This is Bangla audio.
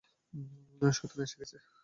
শয়তান এসে গেছে।